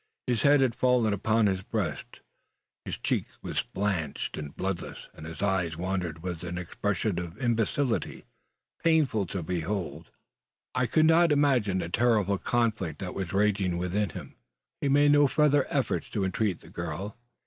His head had fallen upon his breast, his cheek was blanched and bloodless; and his eye wandered with an expression of imbecility painful to behold. I could imagine the terrible conflict that was raging within. He made no further efforts to intreat the girl.